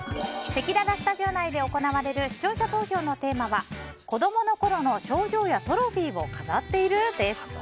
せきららスタジオ内で行われる視聴者投票のテーマは子どもの頃の賞状やトロフィーを飾っている？です。